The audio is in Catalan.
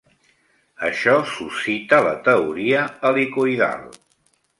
Això suscita la teoria helicoïdal.